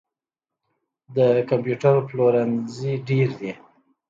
د کمپیوټر پلورنځي ډیر دي